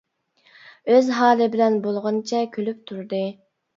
ئۆز ھالى بىلەن بولغىنىچە كۈلۈپ تۇردى.